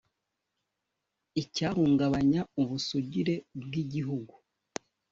icyahungabanya ubusugire bw igihugu